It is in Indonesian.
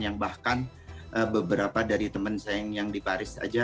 yang bahkan beberapa dari teman saya yang di paris aja